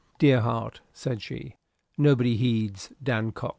"Dear heart," said she, "nobody heeds Dan Cox."